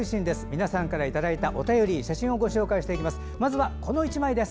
皆さんからいただいたお便り写真をご紹介していきます。